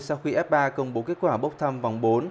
sau khi f ba công bố kết quả bốc thăm vòng bốn